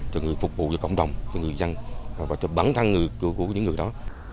cho người phục vụ cho cộng đồng cho người dân và cho bản thân người của những người đó